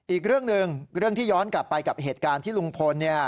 อีกเรื่องหนึ่งเรื่องที่ย้อนกลับไปกับเหตุการณ์ที่ลุงพลเนี่ย